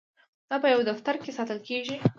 دا په یو دفتر کې ساتل کیږي.